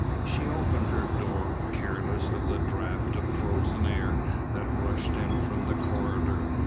She opened her door, careless of the draught of frozen air that rushed in from the corridor.